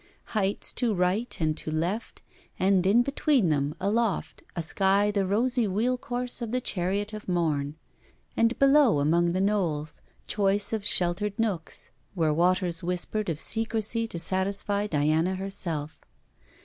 Heights to right and to left, and between them, aloft, a sky the rosy wheelcourse of the chariot of morn, and below, among the knolls, choice of sheltered nooks where waters whispered of secresy to satisfy Diana herself.